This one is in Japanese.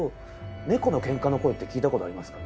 猫のケンカの声って聞いたことありますか？